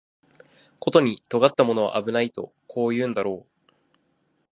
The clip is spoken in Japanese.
ことに尖ったものは危ないとこう言うんだろう